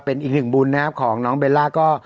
เป็นอีกหนึ่งบุญนะครับของน้องเบลล่าก็